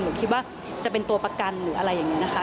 คิดว่าจะเป็นตัวประกันหรืออะไรอย่างนี้นะคะ